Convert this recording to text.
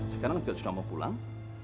sekarang juga sudah mau pulang